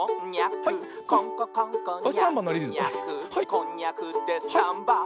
「こんにゃくでサンバ！」